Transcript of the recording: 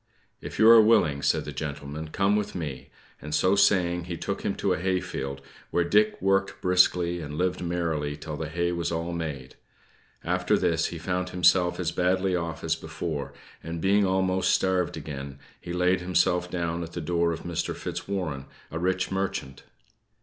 "If you are willing," said the gentleman, "come with me;" and so saying, he took him to a hayfield, where Dick worked briskly, and lived merrily till the hay was all made. After this, he found himself as badly off as before; and being almost starved again, he laid himself down at the door of Mr. Fitzwarren, a rich merchant.